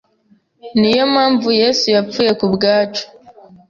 niyo mpamvu yesu yapfuye ku bwacu,